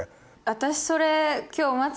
私それ。